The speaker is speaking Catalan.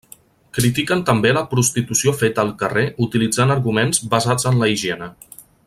Critiquen també la prostitució feta al carrer utilitzant arguments basats en la higiene.